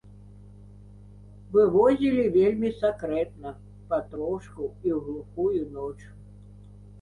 Вывозілі вельмі сакрэтна, патрошку і ў глухую ноч.